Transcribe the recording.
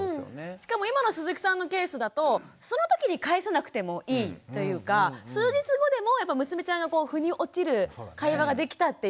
しかも今の鈴木さんのケースだとそのときに返さなくてもいいというか数日後でもやっぱ娘ちゃんがふに落ちる会話ができたっていうね